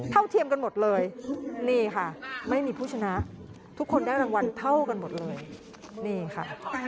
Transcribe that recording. เทียมกันหมดเลยนี่ค่ะไม่มีผู้ชนะทุกคนได้รางวัลเท่ากันหมดเลยนี่ค่ะ